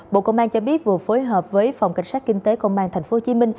bộ công an cho biết vừa phối hợp với phòng cảnh sát kinh tế công an tp hcm